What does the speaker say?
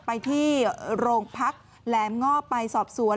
ไปที่โรงพักแหลมงอบไปสอบสวน